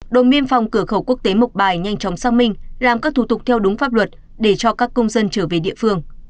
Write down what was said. đồn biên phòng cửa khẩu quốc tế mộc bài nhanh chóng xác minh làm các thủ tục theo đúng pháp luật để cho các công dân trở về địa phương